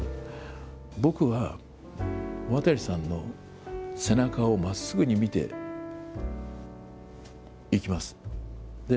僕は、渡さんの背中をまっすぐに見ていきます。